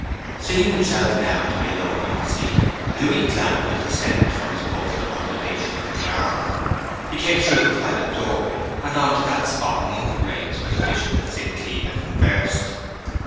Seeing himself now to be left alone on the scene, Louis Glanville descended from his post of observation in the arbour. He came through the private doorway, and on to that spot among the graves where the Bishop and St. Cleeve had conversed.